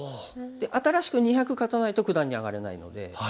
で新しく２００勝たないと九段に上がれないので。